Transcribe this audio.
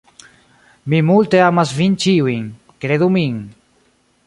Mi multe amas vin ĉiujn; kredu min.